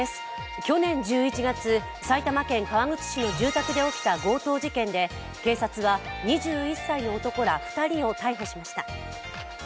去年１１月、埼玉県川口市の住宅に侵入し、強盗傷害事件で、警察は、２１歳の男ら２人を逮捕しました。